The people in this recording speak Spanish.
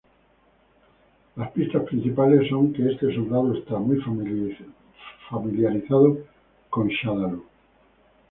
Las pistas principales son que este soldado está muy familiarizado con Shadaloo.